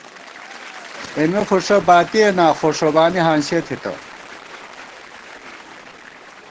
اېمے فُݭہ باتِیَنا خو ݭوبانی ہانسِیَہ تھِتہ